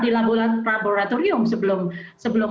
di laboratorium sebelum